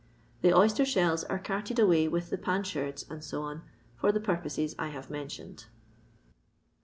i;he oyster shells are carted away with the pan sherds, &C., for the purposes I have mentioned.